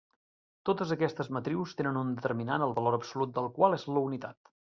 Totes aquestes matrius tenen un determinant el valor absolut del qual és la unitat.